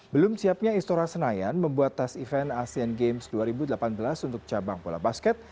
belum siapnya istora senayan membuat tas event asean games dua ribu delapan belas untuk cabang bola basket